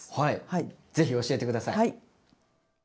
ぜひ教えて下さい。